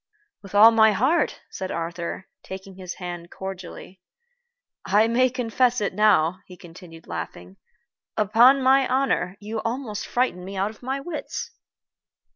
"With all my heart," said Arthur, taking his hand cordially. "I may confess it now," he continued, laughing, "upon my honor, you almost frightened me out of my wits."